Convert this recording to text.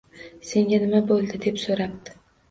– Senga nima bo‘ldi? – deb so‘rabdi